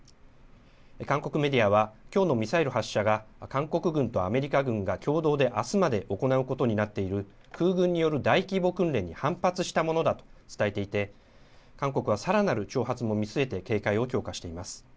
韓国メディアはきょうのミサイル発射が韓国軍とアメリカ軍が共同であすまで行うことになっている空軍による大規模訓練に反発したものだと伝えていて韓国はさらなる挑発も見据えて警戒を強化しています。